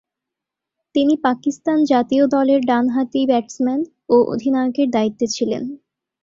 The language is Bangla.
তিনি পাকিস্তান জাতীয় দলের ডানহাতি ব্যাটসম্যান ও অধিনায়কের দায়িত্বে ছিলেন।